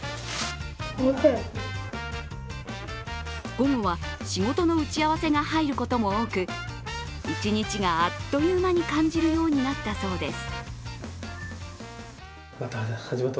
午後は仕事の打ち合わせが入ることも多く、一日があっという間に感じるようになったそうです。